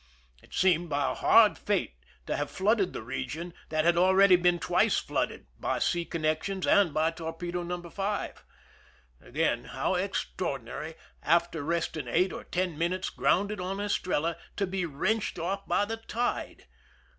It seemed, by a hard fate, to have flooded the region that had already been twice flooded, by sea connections and by torpedo No. 5. Again, how extraordinary, after resting eight or ten minutes grounded on Estrella, to be wrenched off by the tide